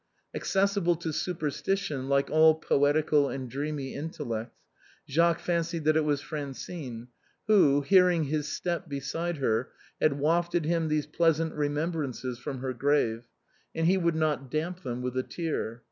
Accessible to superstition, like all poetical and dreamy intellects, Jacques fancied that it was Francine, who, hearing his step beside her, had wafted him these pleasant remembrances from her grave, and he would damp them with a tear.